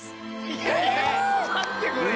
いやいや待ってくれよ